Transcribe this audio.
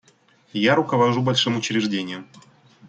Я руковожу большим учреждением.